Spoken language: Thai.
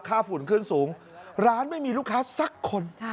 ฝุ่นขึ้นสูงร้านไม่มีลูกค้าสักคน